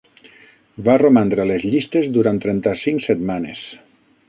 Va romandre a les llistes durant trenta-cinc setmanes.